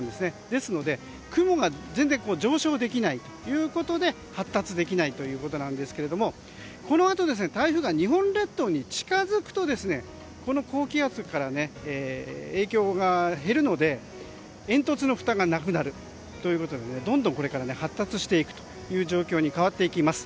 ですので雲が全然上昇できないということで発達できないということなんですがこのあと台風が日本列島に近づくとこの高気圧から影響が減るので煙突のふたがなくなるということでどんどんこれから発達していくという状況に変わっていきます。